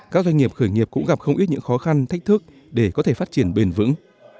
các doanh nghiệp khởi nghiệp cũng gặp không ít những khó khăn thách thức để có thể phát triển bền vững